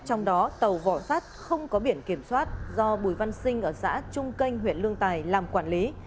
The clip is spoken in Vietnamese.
trong đó tàu vỏ sắt không có biển kiểm soát do bùi văn sinh ở xã trung canh huyện lương tài làm quản lý